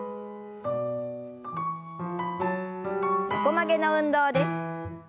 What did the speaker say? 横曲げの運動です。